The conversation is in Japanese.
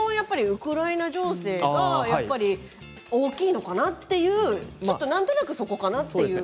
ウクライナ情勢がやっぱり大きいのかなというちょっとなんとなくそこかなという。